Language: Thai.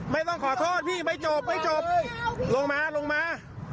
ไม่ต้องขอโทษพี่ไม่จบไม่จบลงมาลงมา